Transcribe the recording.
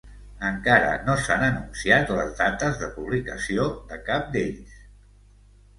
Encara no s'han anunciat les dates de publicació de cap d'ells.